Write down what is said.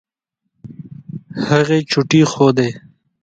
هغې چوټې ښودې.